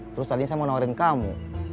terus tadi saya mau nawarin kamu